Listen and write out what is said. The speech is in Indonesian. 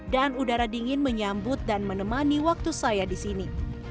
dan udara dingin menyambut dan menemani waktu saya di sini